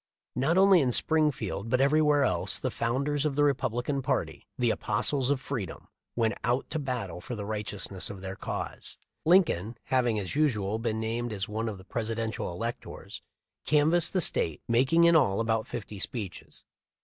Not only in Springfield but everywhere else the founders of the Republican party — the apostles of freedom — went out to battle for the righteousness of their cause. Lincoln, having as usual been named as one of the Presidential electors, canvassed the State, making in all about fifty speeches.